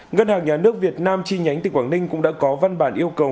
ngân hàng nhà nước việt nam chi nhánh từ quảng ninh cũng đã có văn bản yêu cầu